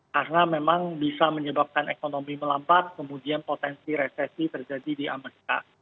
karena memang bisa menyebabkan ekonomi melambat kemudian potensi resesi terjadi di amerika